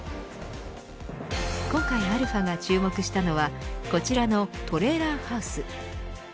今回αが注目したのはこちらのトレーラーハウス。